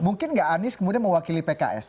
mungkin nggak anies kemudian mewakili pks